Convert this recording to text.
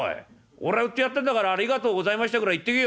俺が売ってやったんだから『ありがとうございました』ぐらい言ってけよ！」。